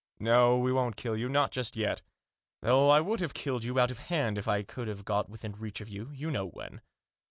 " No : we won't kill you, not just yet ; though I would have killed you out of hand, if I could have got within reach of you — you know when.